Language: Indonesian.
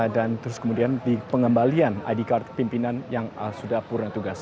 dan terus kemudian di pengembalian id card pimpinan yang sudah purna tugas